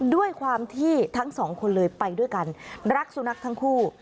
ด้วยความที่ทั้งสองคนเลยไปด้วยกันรักสุนัขทั้งคู่